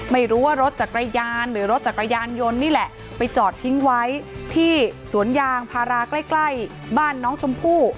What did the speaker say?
ไม่รู้ว่ารถจักรยานหรือรถจักรยานยนต์นี่แหละไปจอดทิ้งไว้ที่สวนยางพาราใกล้ใกล้บ้านน้องชมพู่